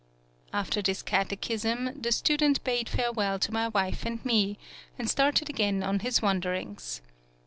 After this catechism, the student bade farewell to my wife and me, and started again on his wanderings.